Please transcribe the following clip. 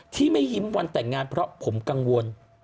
ที่ไม่ยิ้มวันแต่งงานเพราะผมกังวล